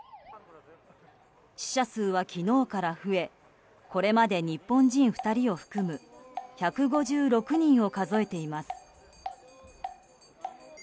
死者数は昨日から増えこれまで日本人２人を含む１５６人を数えています。